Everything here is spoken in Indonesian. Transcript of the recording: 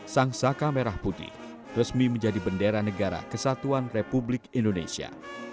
sang saka merah putih resmi menjadi bendera negara kesatuan republik indonesia